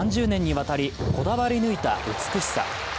３０年にわたりこだわり抜いた美しさ。